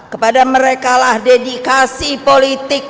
kepada merekalah dedikasi politik